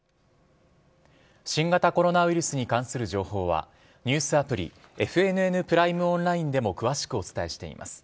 新型コロナウイルスに関する情報は、ニュースアプリ、ＦＮＮプライムオンラインでも詳しくお伝えしています。